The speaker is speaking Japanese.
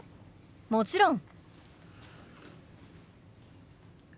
もちろん！